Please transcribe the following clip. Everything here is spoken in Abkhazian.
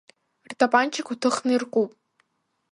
Ртапанчақәа ҭыхны иркуп.